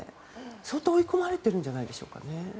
相当追い込まれてるんじゃないでしょうかね。